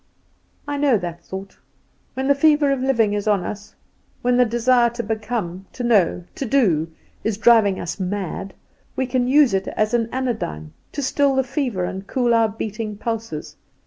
"I know that thought. When the fever of living is on us, when the desire to become, to know, to do, is driving us mad, we can use it as an anodyne, to still the fever and cool our beating pulses.